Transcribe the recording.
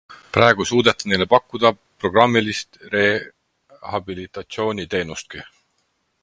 Praegu ei suudeta neile pakkuda programmilist rehabilitatsiooniteenustki.